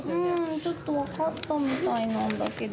ちょっと分かったみたいなんだけど。